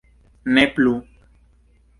Ne plu.